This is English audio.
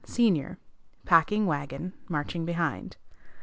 Senior. Packing wagon. Marching behind.